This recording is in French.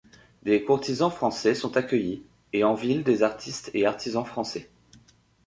Des courtisans français sont accueillis, et en ville des artistes et artisans français.